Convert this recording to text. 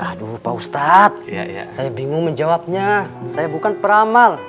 aduh pak ustadz saya bingung menjawabnya saya bukan peramal